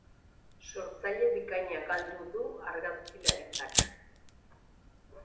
Sortzaile bikaina galdu du argazkilaritzak.